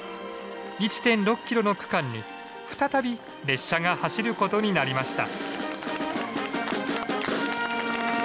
１．６キロの区間に再び列車が走ることになりました。